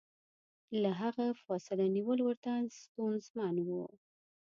له هغه فاصله نیول ورته ستونزمن و.